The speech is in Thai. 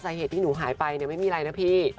ในเหตุที่หนูหายไปเนี่ยไม่มีไรนะพี่